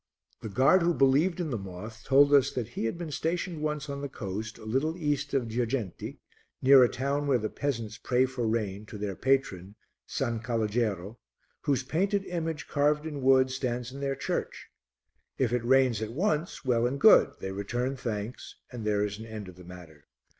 The guard who believed in the moth told us that he had been stationed once on the coast a little east of Girgenti, near a town where the peasants pray for rain to their patron, S. Calogero, whose painted image, carved in wood, stands in their church. If it rains at once, well and good, they return thanks, and there is an end of the matter.